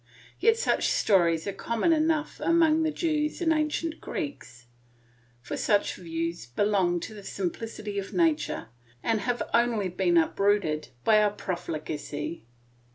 Yet such stories are common enough among the Jews and ancient Greeks; for such views belong to the simplicity of nature, and have only been uprooted by our profligacy.